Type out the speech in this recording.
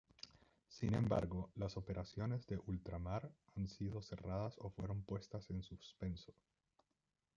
Sin embargo, las operaciones de ultramar han sido cerradas o fueron puestas en suspenso.